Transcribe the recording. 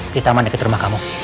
di taman dekat rumah kamu